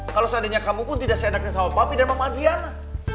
kalau seandainya kamu pun tidak seenaknya sama papi dan mama diana